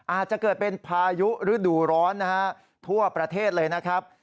อาจจะเกิดเป็นพายุฤดูร้อนนะฮะทั่วประเทศเลยนะครับ